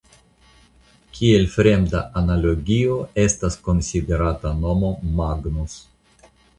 Kiel fremda analogio estas konsiderata nomo "Magnus".